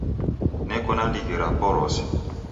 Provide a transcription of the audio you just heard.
Neko na ndighi rapo rose.